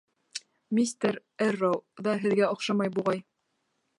Мистер Эрроу ҙа һеҙгә оҡшамай, буғай?